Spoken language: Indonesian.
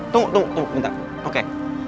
tunggu tunggu tunggu sebentar oke